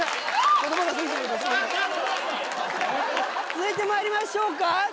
続いて参りましょうか。